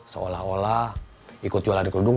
seolah olah ikut jualan kerudung